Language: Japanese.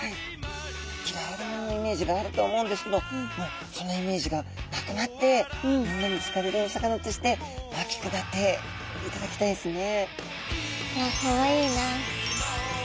嫌われ者のイメージがあるとは思うんですけどもうそのイメージがなくなってみんなに好かれるお魚として大きくなっていただきたいですね。